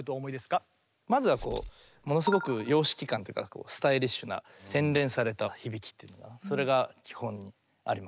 まずはものすごく様式感っていうかスタイリッシュな洗練された響きっていうのがそれが基本にあります。